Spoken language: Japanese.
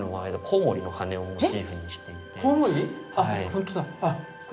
コウモリの羽をモチーフにしていて。